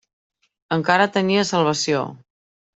Encara tenia salvació.